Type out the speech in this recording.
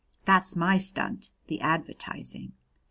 That's my stunt the advertising."